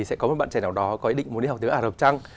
sẽ có một bạn trẻ nào đó có ý định muốn đi học tiếng ả rập trăng